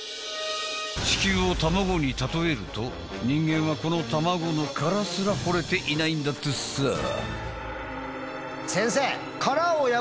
地球を卵に例えると人間はこの卵の殻すら掘れていないんだってさ。